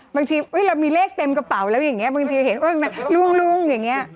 บางทีอุ๊ยเรามีเลขเต็มกระเป๋าแล้วอย่างเงี้ยบางทีเห็นอุ๊ยลุงอย่างเงี้ย